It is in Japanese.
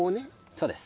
そうです。